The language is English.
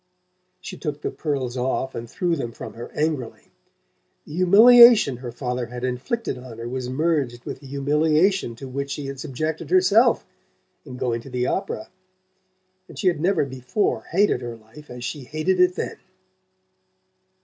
She took the pearls off and threw them from her angrily. The humiliation her father had inflicted on her was merged with the humiliation to which she had subjected herself in going to the opera, and she had never before hated her life as she hated it then.